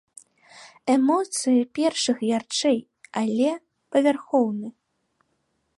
Эмоцыі першых ярчэй, але павярхоўны.